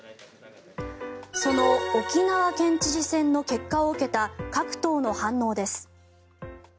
その沖縄県知事選の結果を受けた各党の反応です。